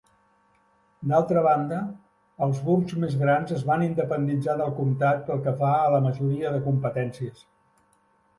D'altra banda, els burgs més grans es van independitzar del comtat pel que fa a la majoria de competències.